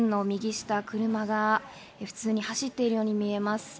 画面の右下、車が普通に走っているように見えます。